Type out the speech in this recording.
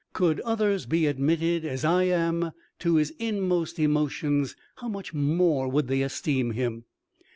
Could others be admitted, as I am, to his inmost emotions, how much more would they esteem him!"